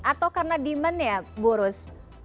atau karena demand nya burus